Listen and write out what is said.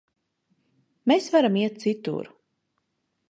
Mēs varam iet citur.